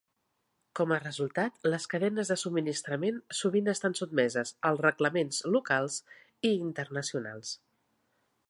Com a resultat, les cadenes de subministrament sovint estan sotmeses al reglaments locals i internacionals.